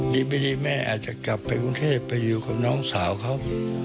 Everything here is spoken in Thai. ดีไม่ดีแม่อาจจะกลับไปกรุงเทพไปอยู่กับน้องสาวเขา